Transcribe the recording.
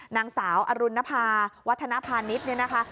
นางสาวอรุณภาวัฒนภาณิชย์เนี่ยนะคะ